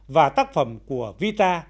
và tác phẩm của vita